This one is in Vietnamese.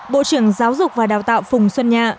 bộ trưởng giáo dục và đào tạo phùng xuân nhạ